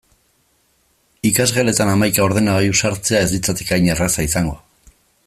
Ikasgeletan hamaika ordenagailu sartzea ez litzateke hain erraza izango.